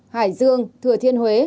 hải dương thừa thiên huế